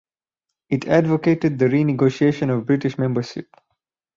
It advocated the renegotiation of British membership.